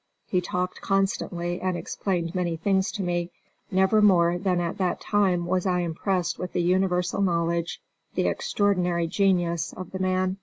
He talked constantly and explained many things to me. Never more than at that time was I impressed with the universal knowledge, the extraordinary genius, of the man.